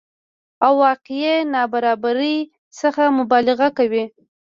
او واقعي نابرابرۍ څخه مبالغه کوي